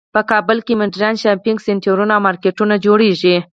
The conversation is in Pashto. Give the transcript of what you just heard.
په کابل کې مدرن شاپینګ سینټرونه او مارکیټونه جوړیږی